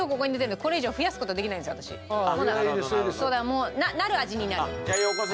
もうなる味になる。